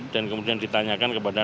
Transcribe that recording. dan kemudian ditanyakan kepada